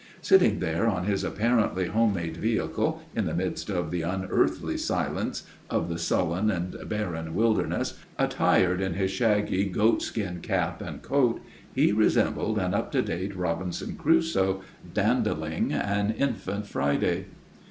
Sitting there on his apparently home made vehicle, in the midst of the unearthly silence of the sullen and barren wilderness, attired in his shaggy goat skin cap and coat, he resembled an up to date Robinson Crusoe dandling an infant Friday.